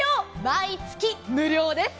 毎月無料です。